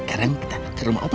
sekarang kita ke rumah opa ya